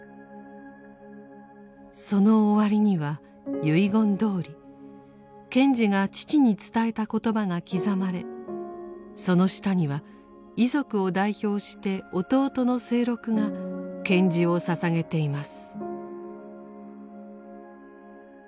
その終わりには遺言どおり賢治が父に伝えた言葉が刻まれその下には遺族を代表して弟の清六が献辞をささげています。